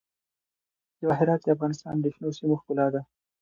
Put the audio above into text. جواهرات د افغانستان د شنو سیمو ښکلا ده.